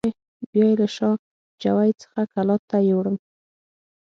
بیا یې له شا جوی څخه کلات ته یووړم.